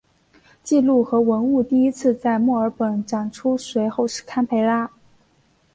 记录和文物第一次在墨尔本展出随后是堪培拉。